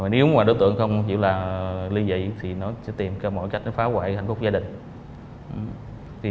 nếu đối tượng không chịu liên dị thì nó sẽ tìm cách phá hoại hạnh phúc gia đình